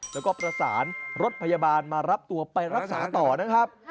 แล้วก็ประสานรถพยาบาลมารับตัวไปรักษาต่อนะครับ